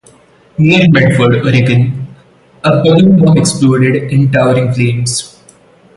Near Medford, Oregon, a balloon bomb exploded in towering flames.